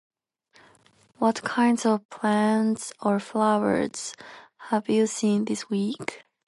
What kinds of plants or flowers have you seen this week?